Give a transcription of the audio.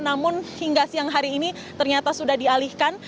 namun hingga siang hari ini ternyata sudah dialihkan